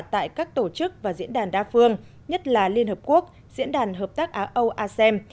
tại các tổ chức và diễn đàn đa phương nhất là liên hợp quốc diễn đàn hợp tác á âu asem